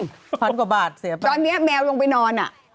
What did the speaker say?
ทำกว่า๑๐๐๐กว่าบาทเสียพาตอนนี้แมวลงไปนอนอ่ะ